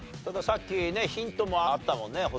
たださっきねヒントもあったもんね